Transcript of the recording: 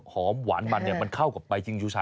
หอมหวานมันเนี่ยมันเข้ากับใบจิงยูชาย